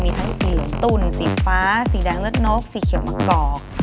มีทั้งสีตุ่นสีฟ้าสีแดงเลือดนกสีเขียวมะกอก